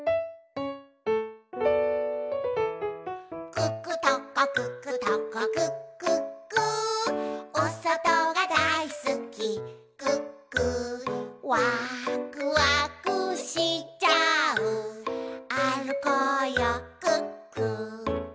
「クックトコクックトコクックックー」「おそとがだいすきクックー」「わくわくしちゃうあるこうよクックー」